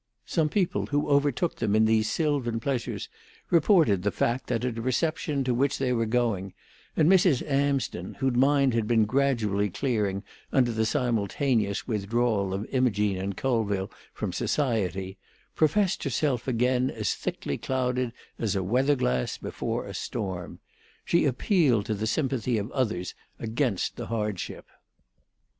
Some people who overtook them in these sylvan pleasures reported the fact at a reception to which they were going, and Mrs. Amsden, whose mind had been gradually clearing under the simultaneous withdrawal of Imogene and Colville from society, professed herself again as thickly clouded as a weather glass before a storm. She appealed to the sympathy of others against this hardship.